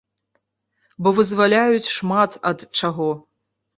Бо вызваляюць шмат ад чаго.